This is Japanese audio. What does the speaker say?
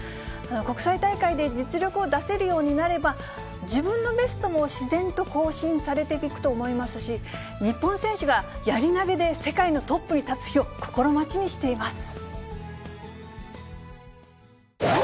国際大会で実力を出せるようになれば、自分のベストも自然と更新されていくと思いますし、日本選手がやり投げで世界のトップに立つ日を心待ちにしています。